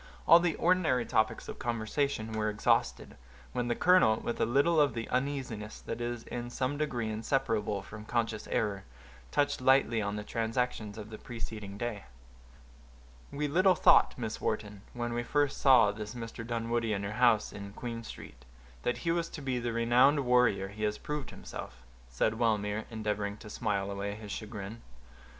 All the ordinary topics of conversation were exhausted, when the colonel, with a little of the uneasiness that is in some degree inseparable from conscious error, touched lightly on the transactions of the preceding day. "We little thought, Miss Wharton, when I first saw this Mr. Dunwoodie in your house in Queen Street, that he was to be the renowned warrior he has proved himself," said Wellmere, endeavoring to smile away his chagrin.